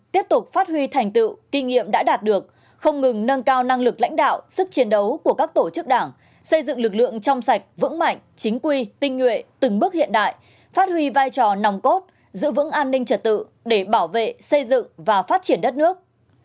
tiếp tục phát huy thành tựu kinh nghiệm đã đạt được không ngừng nâng cao năng lực lãnh đạo sức chiến đấu của các tổ chức đảng xây dựng lực lượng trong sạch vững mạnh chính quy tinh nguyện từng bước hiện đại phát huy vai trò nòng cốt giữ vững an ninh trật tự để bảo vệ xây dựng và phát triển đất nước